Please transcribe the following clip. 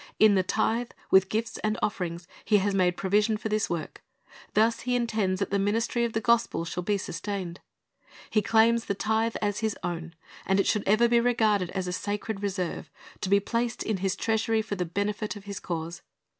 In the tithe, with gifts and offerings, He has made provision for this work. Thus He intends that the ministry of the gospel shall be sustained. He claims the tithe as His own, and it should ever be regarded as a sacred reserve, to be placed in His treasury for the benefit of His cause.